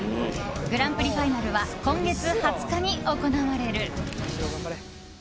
グランプリファイナルは今月２０日に行われる。